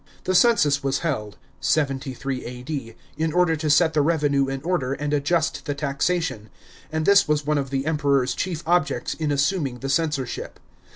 The census was held (73 A.D.) in order to set the revenue in order and adjust the taxation ; and this was one of the Emperors chief objects in assuming the censorship.